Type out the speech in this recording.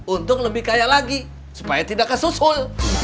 untung lebih kaya lagi supaya tidak kesusul